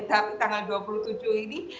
tahap tanggal dua puluh tujuh ini